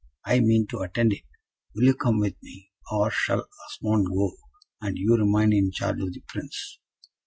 I mean to attend it. Will you come with me, or shall Osmond go, and you remain in charge of the Prince?"